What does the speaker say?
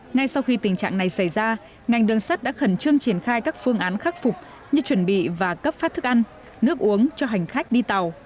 ngay sau khi tình trạng này xảy ra ngành đường sắt đã khẩn trương triển khai các phương án khắc phục như chuẩn bị và cấp phát thức ăn nước uống cho hành khách đi tàu